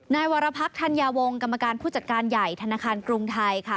นายวรพรรคธัญญาวงกรรมการผู้จัดการใหญ่ธนาคารกรุงไทยค่ะ